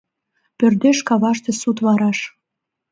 Пӧрдеш каваште сут вараш